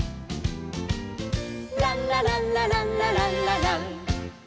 「ランラランラランラランララン」